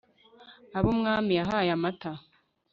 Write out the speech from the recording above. abo umwami yahaye amata